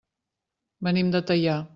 Venim de Teià.